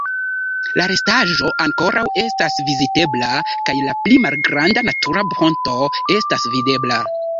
La restaĵo ankoraŭ estas vizitebla kaj la pli malgranda natura ponto estas videbla.